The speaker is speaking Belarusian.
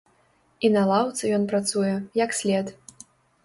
І на лаўцы ён працуе, як след.